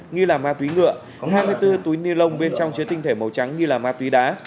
nghi là ma túy ngựa hai mươi bốn túi ni lông bên trong chứa tinh thể màu trắng nghi là ma túy đá